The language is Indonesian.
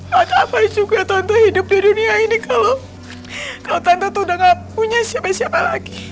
gak apa juga tante hidup di dunia ini kalau kau tante tuh udah gak punya siapa siapa lagi